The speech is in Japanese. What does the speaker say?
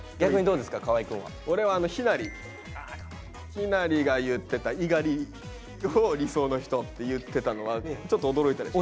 陽成が言ってた猪狩を理想の人って言ってたのはちょっと驚いたでしょ？